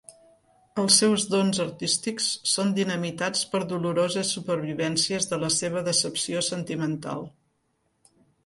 Els seus dons artístics són dinamitats per doloroses supervivències de la seva decepció sentimental.